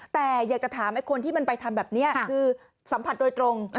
แต่อยากจะถามไอ้คนที่มันไปทำแบบนี้คือสัมผัสโดยตรง